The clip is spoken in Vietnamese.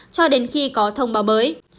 cho đến ngày hôm nay